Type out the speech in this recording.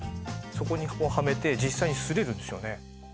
そこにはめて実際にすれるんですよね